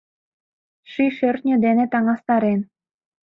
Ший-шӧртньӧ ден таҥастарен.